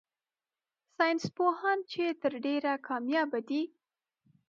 ساينس پوهان چي تر ډېره کاميابه دي